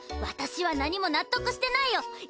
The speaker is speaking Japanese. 私は何も納得してないお！